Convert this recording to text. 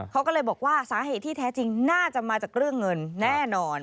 เขาก็เลยบอกว่าสาเหตุที่แท้จริงน่าจะมาจากเรื่องเงินแน่นอน